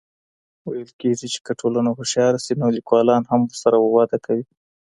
ويل کېږي چي که ټولنه هوښياره سي نو ليکوالان هم ورسره وده کوي.